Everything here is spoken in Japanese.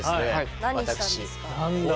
何したんですか？